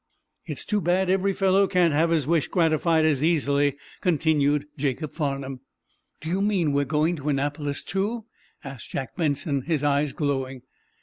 "It's too bad every fellow can't have his wish gratified as easily," continued Jacob Farnum. "Do you mean we're going to Annapolis, too?" asked Jack Benson, his eyes glowing.